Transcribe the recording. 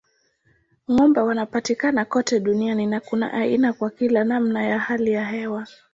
Ng'ombe wanapatikana kote duniani na kuna aina kwa kila namna ya hali ya hewa.